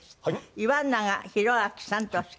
岩永洋昭さんとおっしゃいます。